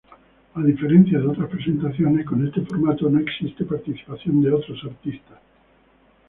A diferencia de otras presentaciones con este formato, no existe participación de otros artistas.